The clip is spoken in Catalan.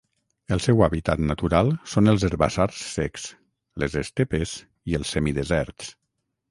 El seu hàbitat natural són els herbassars secs, les estepes i els semideserts.